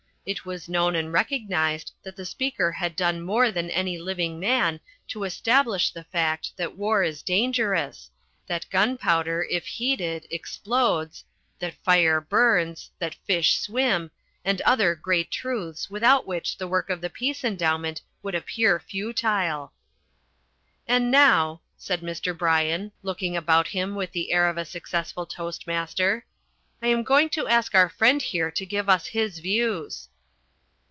It was known and recognised that the speaker had done more than any living man to establish the fact that war is dangerous, that gunpowder, if heated, explodes, that fire burns, that fish swim, and other great truths without which the work of the peace endowment would appear futile. "And now," said Mr. Bryan, looking about him with the air of a successful toastmaster, "I am going to ask our friend here to give us his views."